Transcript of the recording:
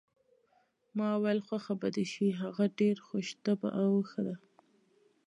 ما وویل: خوښه به دې شي، هغه ډېره خوش طبع او ښه ده.